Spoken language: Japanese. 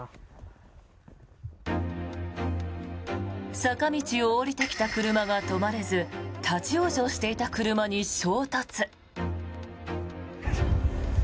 坂道を下りてきた車が止まれず立ち往生していた車に衝突。